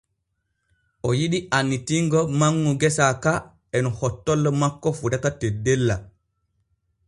O yiɗi annitingo manŋu gesa ka e no hottollo makko fotata teddella.